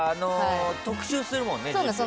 特集するもんね。